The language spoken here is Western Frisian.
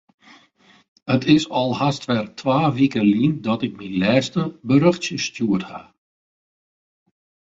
It is alwer hast twa wike lyn dat ik myn lêste berjochtsje stjoerd haw.